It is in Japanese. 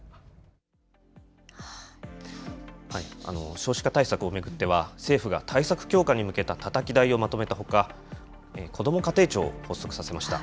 少子化対策を巡っては政府が対策強化に向けたたたき台をまとめたほか、こども家庭庁を発足させました。